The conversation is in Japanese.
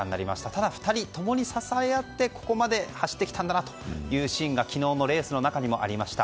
ただ、２人共に支えあってここまで走ってきたんだなというシーンが昨日のレースの中にもありました。